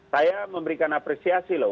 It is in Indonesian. saya memberikan apresiasi loh